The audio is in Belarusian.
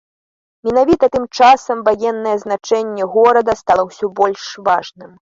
Менавіта тым часам ваеннае значэнне горада стала ўсё больш важным.